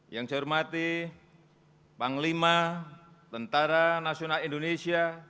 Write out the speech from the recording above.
yang saya hormati panglima tentara nasional indonesia